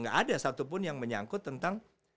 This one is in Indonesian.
gak ada satupun yang menyangkut tentang